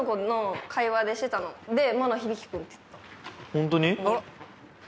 ホントに？